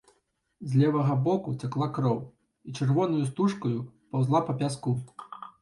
З левага боку цякла кроў і чырвонаю стужкаю паўзла па пяску.